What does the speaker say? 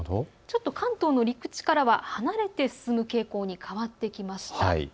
関東の陸地からは離れて進む傾向に変わってきました。